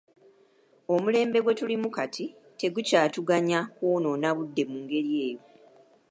Omulembe gwe tulimu kati tegukyatuganya kwonoona budde mu ngeri eyo.